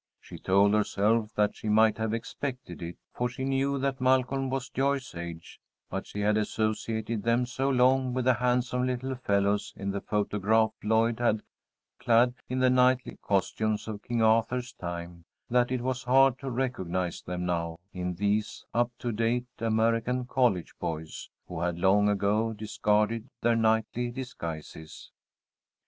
She told herself that she might have expected it, for she knew that Malcolm was Joyce's age; but she had associated them so long with the handsome little fellows in the photograph Lloyd had, clad in the knightly costumes of King Arthur's time, that it was hard to recognize them now, in these up to date, American college boys, who had long ago discarded their knightly disguises.